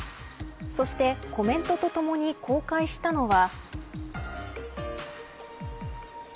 そしてコメントとともに公開したのは。